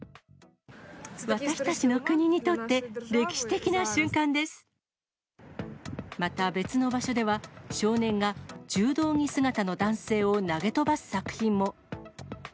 私たちの国にとって、歴史的また別の場所では、少年が柔道着姿の男性を投げ飛ばす作品も。